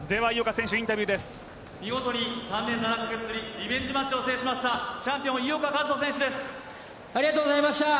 見事に３年７カ月ぶり、リベンジマッチを制しましたチャンピオン・井岡一翔選手です。